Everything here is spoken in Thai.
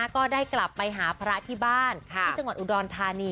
ก็ได้กลับไปหาพระที่บ้านที่จังหวัดอุดรธานี